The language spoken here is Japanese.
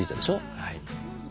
はい。